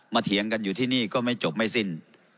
เถียงกันอยู่ที่นี่ก็ไม่จบไม่สิ้น